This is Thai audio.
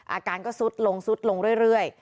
อาการก็ซุดลงซุดลงเรื่อย